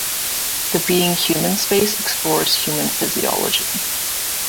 The Being Human space explores human physiology.